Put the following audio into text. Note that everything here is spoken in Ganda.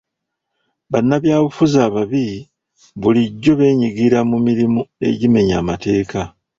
Bannabyabufuzi ababi bulijjo beenyigira mu mirimu egimenya amateeka.